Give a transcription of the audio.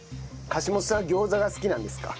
橋本さんは餃子が好きなんですか？